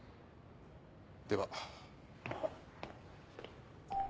では。